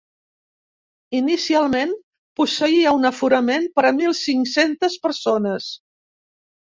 Inicialment posseïa un aforament per a mil cinc-centes persones.